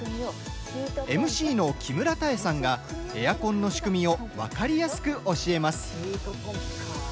ＭＣの木村多江さんがエアコンの仕組みを分かりやすく教えます。